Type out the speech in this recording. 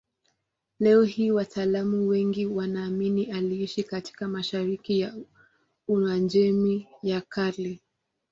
Leo hii wataalamu wengi wanaamini aliishi katika mashariki ya Uajemi ya Kale.